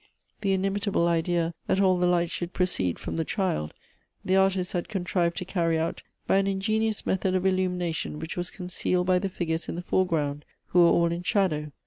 The inimitable idea that all the light should proceed from the child, the artist had contrived to carry out by an ingenious method of illumination which was concealed by the figures in the foreground, who were all in shadow.